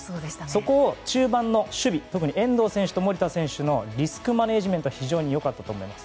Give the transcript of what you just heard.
そこを中盤の守備特に遠藤選手と守田選手のリスクマネジメントが非常に良かったと思います。